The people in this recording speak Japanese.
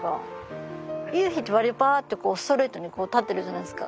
ゆうひって割とパっとストレートに立ってるじゃないですか。